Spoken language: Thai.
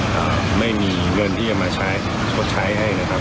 ก็ไม่มีเงินที่จะมาชดใช้ให้นะครับ